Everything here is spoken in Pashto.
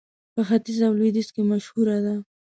په ختيځ او لوېديځ کې مشهوره ده.